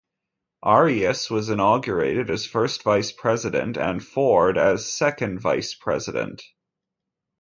Arias was inaugurated as first vice president, and Ford as second vice president.